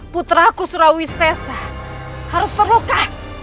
putraku surawi sesa harus terloka